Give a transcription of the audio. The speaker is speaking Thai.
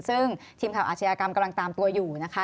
ซึ่งทีมข่าวอาชญากรรมกำลังตามตัวอยู่นะคะ